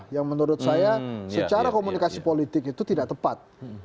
yang menurut saya secara komunikasi politik itu tidak tepat